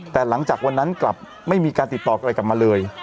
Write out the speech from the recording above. แต่หลังจากวันนั้นกลับไม่มีการติดต่ออะไรกลับมาเลย